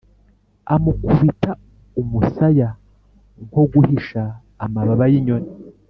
amukubita umusaya nko guhisha amababa yinyoni.